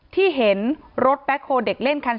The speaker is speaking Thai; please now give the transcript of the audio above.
ที่มีข่าวเรื่องน้องหายตัว